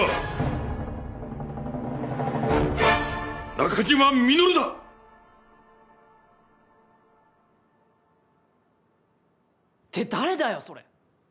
中島みのるだ！って誰だよそれ！